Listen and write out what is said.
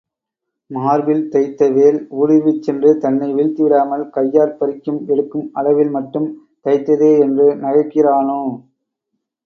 மார்பில் தைத்த வேல் ஊடுருவிச் சென்று தன்னை வீழ்த்திவிடாமல் கையாற் பறித்து எடுக்கும் அளவில் மட்டும் தைத்ததேயென்று நகைக்கிறானோ?